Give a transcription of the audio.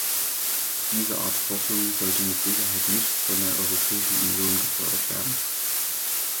Diese Art Forschung sollte mit Sicherheit nicht von der Europäischen Union gefördert werden.